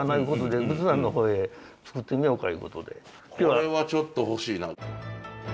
これはちょっと欲しいな。